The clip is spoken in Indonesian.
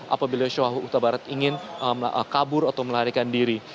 apabila syawal utabarat ingin kabur atau melarikan diri